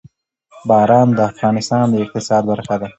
باران د افغانستان د اقتصاد برخه ده.